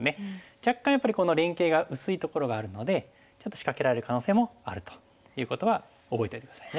若干やっぱりこの連係が薄いところがあるのでちょっと仕掛けられる可能性もあるということは覚えておいて下さいね。